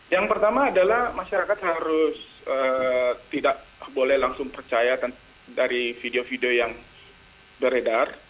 yang pertama adalah masyarakat harus tidak boleh langsung percaya dari video video yang beredar